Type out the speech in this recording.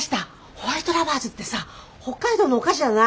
ホワイトラバーズってさ北海道のお菓子じゃない？